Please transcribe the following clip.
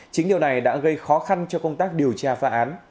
chính điều này đã gây khó khăn cho công tác điều tra phá án